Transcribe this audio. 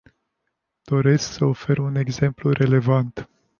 Doresc să ofer un exemplu relevant.